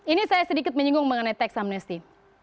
ini saya sedikit menyinggung mengenai teks amnesty